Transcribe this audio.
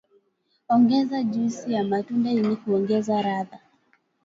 Ongeza juisi ya matunda ili kuongeza ladha